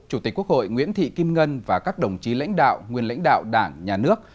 chủ tịch quốc hội nguyễn thị kim ngân và các đồng chí lãnh đạo nguyên lãnh đạo đảng nhà nước